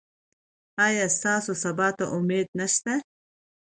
ایا ستاسو سبا ته امید نشته؟